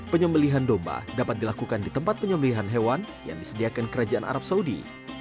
penyembelihan domba dapat dilakukan di tempat penyembelihan hewan yang disediakan kerajaan arab saudi